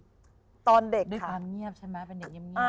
ใช่ใช่เป็นการแงบใช่ไหมเป็นเงียบ